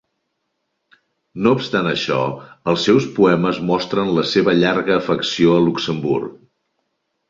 No obstant això, els seus poemes mostren la seva llarga afecció a Luxemburg.